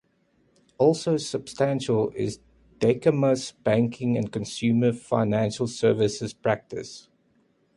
Also substantial is Dykema's banking and consumer financial services practice.